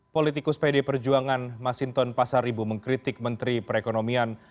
politikus pd perjuangan masinton pasar ibu mengkritik menteri perekonomian